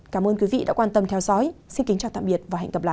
cảm ơn quý vị đã quan tâm theo dõi xin kính chào tạm biệt và hẹn gặp lại